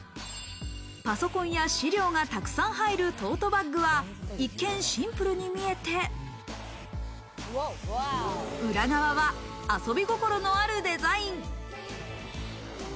パソコンや資料がたくさん入るトートバッグは、一見シンプルに見えて、裏側は遊び心のあるデザイン。